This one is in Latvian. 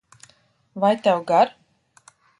Vai tev gar